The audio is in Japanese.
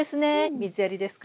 水やりですか？